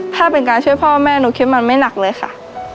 ถ้าเป็นการช่วยพ่อแม่หนูคิดมันไม่หนักเลยค่ะ